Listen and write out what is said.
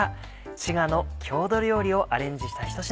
滋賀の郷土料理をアレンジした一品。